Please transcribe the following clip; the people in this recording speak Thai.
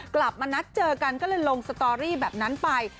กลับมานัดเจอกันก็เลยลงสตอรี่แบบนั้นไป